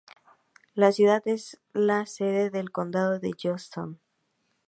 La ciudad es la sede del condado de Johnson.